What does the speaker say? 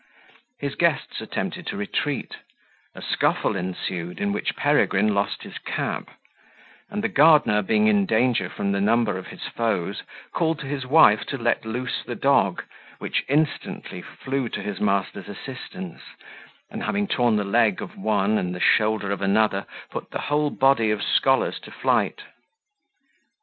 His guests attempted to retreat; a scuffle ensued, in which Peregrine lost his cap; and the gardener, being in danger from the number of his foes, called to his wife to let loose the dog, which instantly flew to his master's assistance, and, after having torn the leg of one and the shoulder of another, put the whole body of scholars to flight.